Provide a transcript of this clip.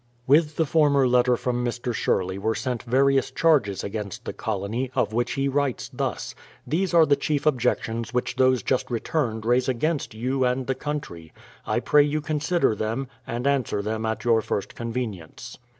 With the former letter from Mr. Sherley were sent various charges against the colony, of which he writes thus: "These are the chief objections which those just returned raise against you and the country. I pray you consider them, and answer them at your first convenience."